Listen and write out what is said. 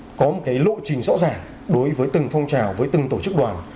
cũng có một cái lộ trình rõ ràng đối với từng phong trào với từng tổ chức đoàn